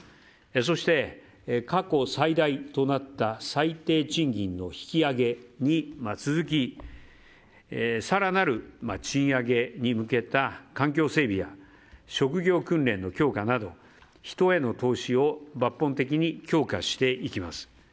そして、過去最大となった最低賃金の引き上げに続き更なる賃上げに向けた環境整備や職業訓練の強化など人への投資を抜本的に強化していきます。